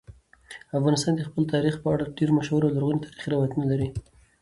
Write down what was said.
افغانستان د خپل تاریخ په اړه ډېر مشهور او لرغوني تاریخی روایتونه لري.